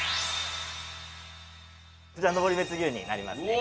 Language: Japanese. こちら登別牛になりますね。